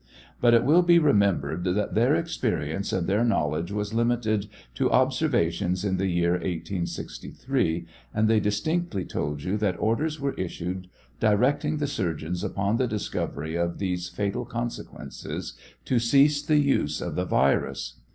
But it will be remembered that their experience and their knowledge was limited to observations in the year 1863, and they distinctly told you that orders were issued directing the surgeons upon the discovery of these fatal conse quences to cease the use of the virus.